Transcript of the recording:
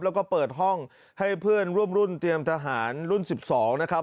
แล้วก็เปิดห้องให้เพื่อนร่วมรุ่นเตรียมทหารรุ่น๑๒นะครับ